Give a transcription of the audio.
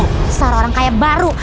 dasar orang kaya baru